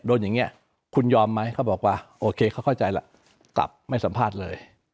โดนอย่างนี้คุณยอมไหมเขาบอกว่าโอเคเขาเข้าใจล่ะกลับไม่สัมภาษณ์เลย